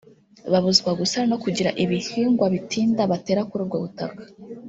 babuzwa gusana no kugira ibihingwa bitinda batera kuri ubwo butaka